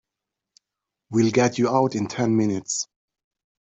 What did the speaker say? We'll get you out in ten minutes.